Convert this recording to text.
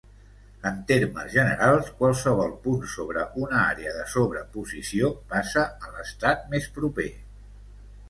En termes generals, qualsevol punt sobre una àrea de sobreposició passa a l'Estat més proper.